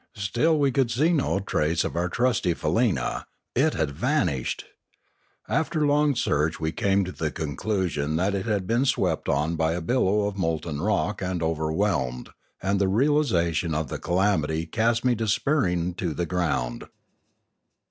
Still we could see no trace of our trusty faleena; it had vanished. After long search we came to the conclusion that it had been swept on by a billow of molten rock and overwhelmed, and the realisation of the calamity cast me despairing to the ground.